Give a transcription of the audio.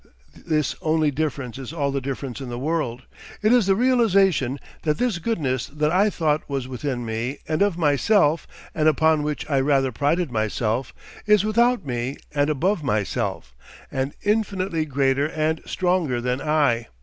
This only difference is all the difference in the world. It is the realisation that this goodness that I thought was within me and of myself and upon which I rather prided myself, is without me and above myself, and infinitely greater and stronger than I.